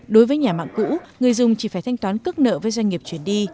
đối với nhà mạng cũ người dùng chỉ phải thanh toán cước nợ với doanh nghiệp chuyển đi